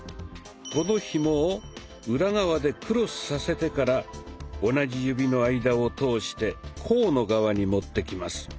このひもを裏側でクロスさせてから同じ指の間を通して甲の側に持ってきます。